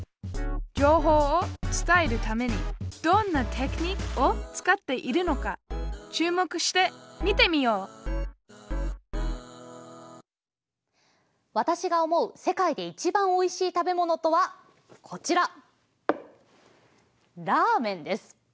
情報を伝えるためにどんなテクニックを使っているのか注目して見てみよう私が思う世界で一番おいしい食べ物とはこちらラーメンです。